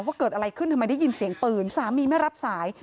ว่าเกิดอะไรขึ้นทำไมได้ยินเสียงปืนสามีไม่รับสาย